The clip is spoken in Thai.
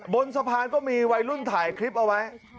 บนสะพานก็มีวัยรุ่นถ่ายคลิปเอาไว้